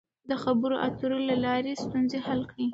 د خبرو اترو له لارې ستونزې حل کړئ.